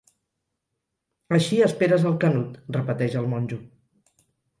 Així esperes el Canut, repeteix el monjo.